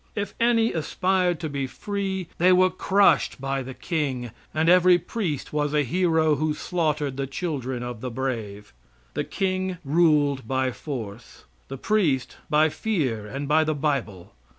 If any aspired to be free they were crushed by the king, and every priest was a hero who slaughtered the children of the brave. The king ruled by force, the priest by fear and by the bible.